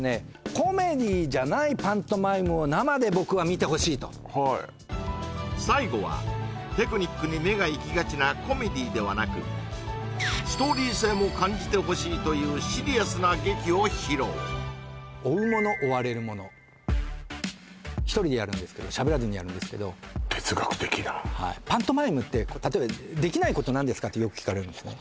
コメディーじゃないパントマイムを生で僕は見てほしいと最後はテクニックに目が行きがちなコメディーではなくストーリー性も感じてほしいというシリアスな劇を披露１人でやるんですけどしゃべらずにやるんですけど哲学的なはいパントマイムって例えばできないこと何ですか？ってよく聞かれるんですね